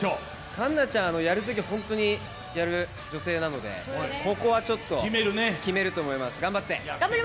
環奈ちゃんは本当に、やるときはやる女性なのでここはちょっと決めると思います、頑張って。